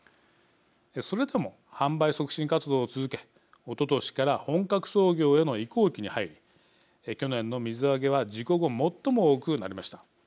それでも、販売促進活動を続けおととしから本格操業への移行期に入り去年の水揚げは事故後、最も多くなりました。